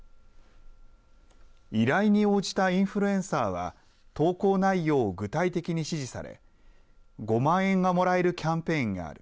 依頼に応じたインフルエンサーは投稿内容を具体的に指示され５万円がもらえるキャンペーンがある。